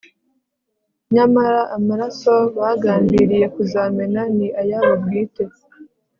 nyamara amaraso bagambiriye kuzamena ni ayabo bwite